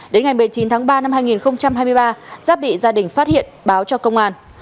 đến ngày một mươi chín tháng ba năm hai nghìn hai mươi ba giáp bị gia đình phát hiện báo cho công an